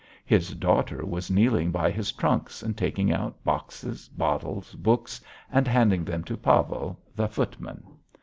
His daughter was kneeling by his trunks and taking out boxes, bottles, books, and handing them to Pavel the footman.